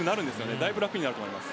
だいぶ楽になると思います。